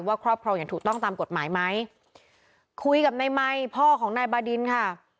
ครอบครองอย่างถูกต้องตามกฎหมายไหมคุยกับนายไมค์พ่อของนายบาดินค่ะ